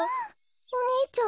お兄ちゃん。